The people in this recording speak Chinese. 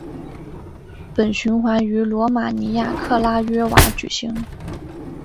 本循环于罗马尼亚克拉约瓦举行。